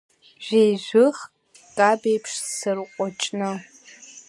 Жәижәых кабеиԥш сырҟәыҷны.